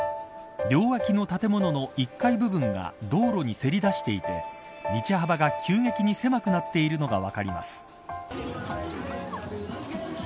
両脇の建物の１階部分が道路に、せり出していて道幅が急激に狭くなっているのが分かります。